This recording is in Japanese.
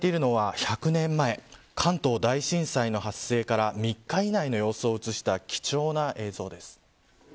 ご覧いただいているのは１００年前関東大震災の発生から３日以内の様子を映した貴重な映像です。